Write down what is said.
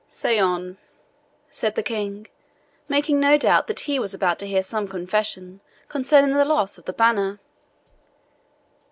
"Say on," said the King, making no doubt that he was about to hear some confession concerning the loss of the Banner.